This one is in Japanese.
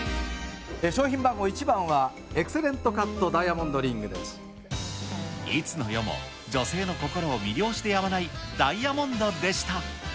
商品番号１番は、エクセレンいつの世も女性の心を魅了してやまないダイヤモンドでした。